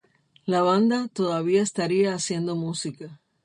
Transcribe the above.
La banda todavía estaría haciendo música.